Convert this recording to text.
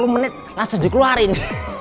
sepuluh menit langsung dikeluarin